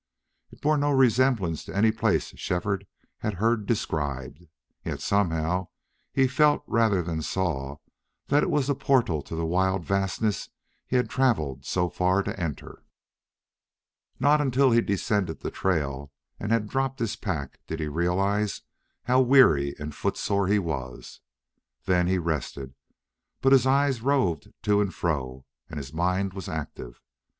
It bore no resemblance to any place Shefford had heard described, yet somehow he felt rather than saw that it was the portal to the wild vastness he had traveled so far to enter. Not till he had descended the trail and had dropped his pack did he realize how weary and footsore he was. Then he rested. But his eyes roved to and fro, and his mind was active.